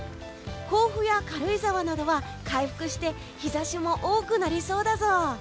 甲府や軽井沢などは回復して日差しも多くなりそうだぞ。